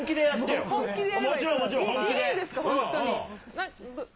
本当に。